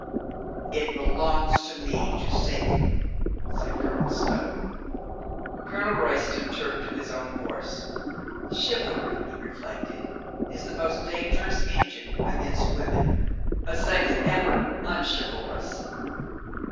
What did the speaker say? "It belongs to me to save him," said Colonel Stow. Colonel Royston turned to his own horse. Chiv alry, he reflected, is the most dangerous engine against women — a sex ever unchivalrous.